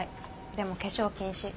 でも化粧禁止。